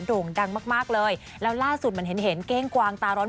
โด่งดังมากมากเลยแล้วล่าสุดมันเห็นเห็นเก้งกวางตาร้อน